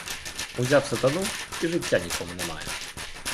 Узяв сатану — і життя нікому немає.